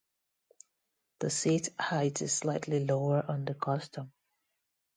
The seat height is slightly lower on the Custom.